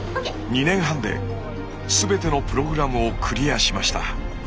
２年半ですべてのプログラムをクリアしました。